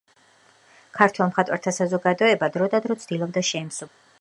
ქართველ მხატვართა საზოგადოება დროდადრო ცდილობდა შეემსუბუქებინა მისი ხვედრი.